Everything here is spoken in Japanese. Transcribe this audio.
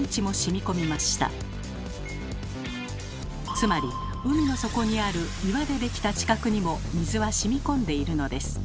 つまり海の底にある岩で出来た地殻にも水はしみこんでいるのです。